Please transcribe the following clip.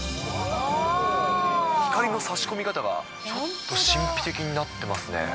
光のさし込み方がちょっと神秘的になってますね。